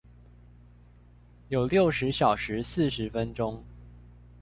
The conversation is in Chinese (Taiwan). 有六十小時四十分鐘